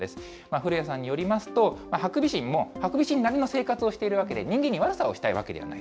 古谷さんによりますと、ハクビシンもハクビシンなりの生活をしているわけで、人間に悪さをしたいわけではない。